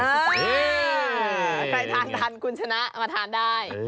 ใครทานทันคุณชนะมาทานได้